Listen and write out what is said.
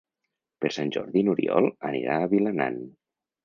Per Sant Jordi n'Oriol anirà a Vilanant.